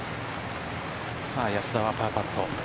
安田はパーパット。